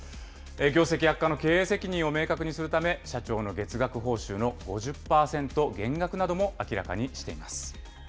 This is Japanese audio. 業績悪化の経営責任を明確にするため、社長の月額報酬の５０％減額なども明らかにしています。